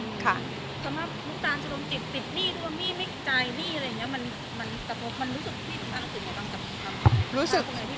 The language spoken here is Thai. มันรู้สึกที่คุณต้องการการจับหนี้กันไหม